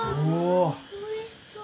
おいしそう。